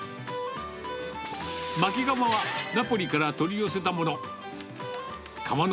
まき窯はナポリから取り寄せたもの。